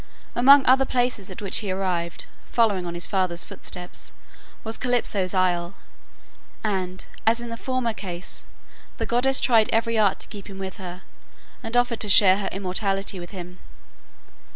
Among other places at which he arrived, following on his father's footsteps, was Calypso's isle, and, as in the former case, the goddess tried every art to keep him with her, and offered to share her immortality with him.